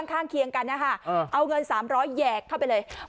ข้างเคียงกันนะคะเอาเงินสามร้อยแยกเข้าไปเลย